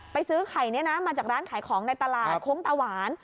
ซื้อไข่นี้นะมาจากร้านขายของในตลาดโค้งตาหวาน